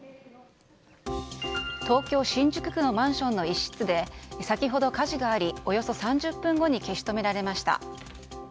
東京・新宿区のマンションの一室で先ほど火事がありおよそ３０分後に消し止められました。